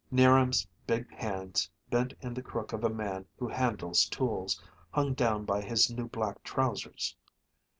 'Niram's big hands, bent in the crook of a man who handles tools, hung down by his new black trousers.